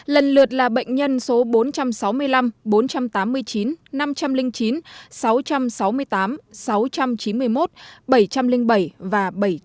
lần lượt là bệnh nhân số bốn trăm sáu mươi năm bốn trăm tám mươi chín năm trăm linh chín sáu trăm sáu mươi tám sáu trăm chín mươi một bảy trăm linh bảy và bảy trăm chín mươi